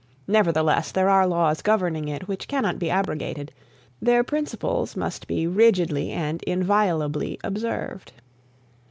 Nevertheless there are laws governing it which cannot be abrogated, their principles must be rigidly and inviolably observed.